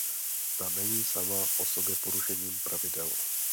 Ta není sama o sobě porušením pravidel.